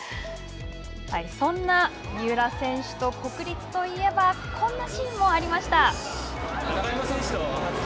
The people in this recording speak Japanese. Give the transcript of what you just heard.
そんな国立と三浦選手といえばこんなシーンもありました。